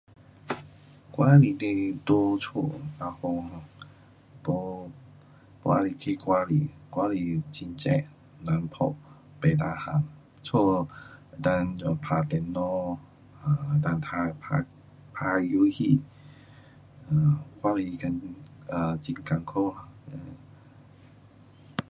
我喜欢在家较好，没外里去外里，外里很热，困苦，不 tahan, 家能够打电脑，um 能够打打游戏，um 外里很，um 很困苦